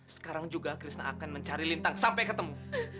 sekarang juga krisna akan mencari lintang sampai ketemu